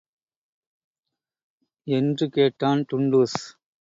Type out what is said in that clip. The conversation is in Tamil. என்று கேட்டான் டுன்டுஷ்.